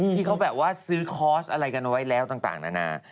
ที่เขาแบบว่าซื้อคอร์สอะไรกันไว้แล้วต่างนานา